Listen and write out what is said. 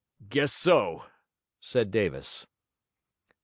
'Guess so,' said Davis.